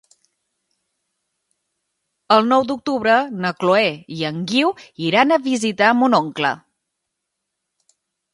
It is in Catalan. El nou d'octubre na Chloé i en Guiu iran a visitar mon oncle.